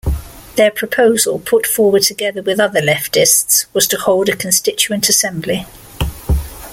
Their proposal, put forward together with other leftists, was to hold a constituent assembly.